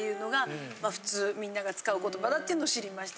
みんなが使う言葉だっていうのを知りました。